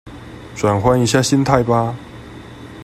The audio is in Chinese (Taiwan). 轉換一下心態吧